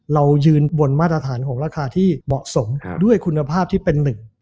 เรายืนบนมาตรฐานของราคาที่เหมาะสมด้วยคุณภาพที่เป็นหนึ่ง